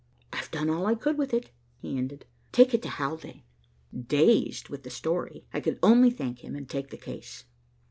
I've done all I could with it," he ended, "Take it to Haldane." Dazed with the story, I could only thank him and take the case.